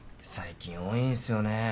最近多いんすよね。